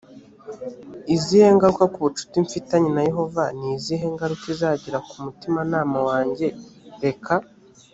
izihe ngaruka ku bucuti mfitanye na yehova ni izihe ngaruka izagira ku mutimanama wange reka